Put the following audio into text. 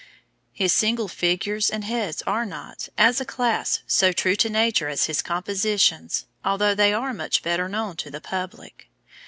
His single figures and heads are not, as a class, so true to nature as his compositions, although they are much better known to the public.